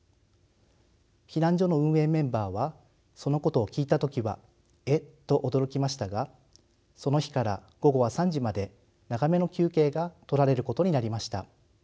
避難所の運営メンバーはそのことを聞いた時はえっ？と驚きましたがその日から午後は３時まで長めの休憩がとられることになりました。